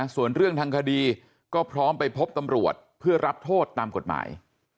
ส่วนเรื่องทางคดีก็พร้อมไปพบตำรวจเพื่อรับโทษตามกฎหมาย